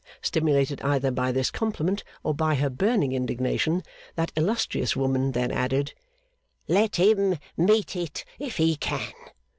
Stimulated either by this compliment, or by her burning indignation, that illustrious woman then added, 'Let him meet it if he can!